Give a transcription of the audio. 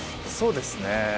そうですね。